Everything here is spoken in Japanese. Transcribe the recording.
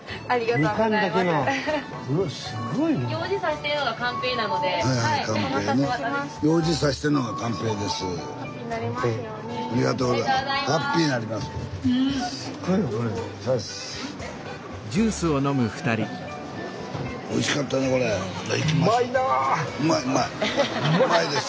うまいです。